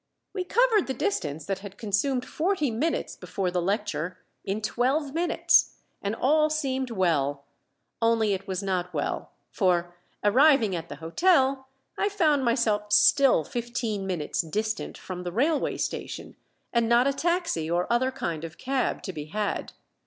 We covered the distance that had consumed forty minutes before the lecture in twelve minutes, and all seemed well only it was not well; for, arriving at the hotel, I found myself still fifteen minutes distant from the railway station, and not a taxi or other kind of cab to be had.